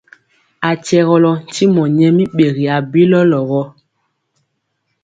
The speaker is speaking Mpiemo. A kyɛgɔlɔ ntimɔ nyɛ mi ɓegi abilɔlɔ.